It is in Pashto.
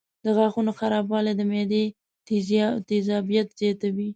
د غاښونو خرابوالی د معدې تیزابیت زیاتوي.